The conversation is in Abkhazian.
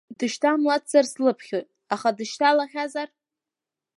Дышьҭамлацзар слыԥхьоит, аха дышьҭалахьазар…